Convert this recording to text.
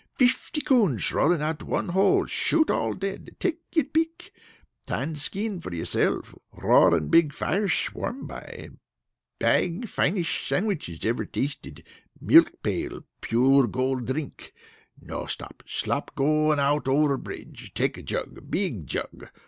Fify coonsh rollin' out one hole! Shoot all dead! Take your pick! Tan skin for you myself! Roaring big firesh warm by. Bag finesh sandwiches ever tasted. Milk pail pure gold drink. No stop, slop out going over bridge. Take jug. Big jug.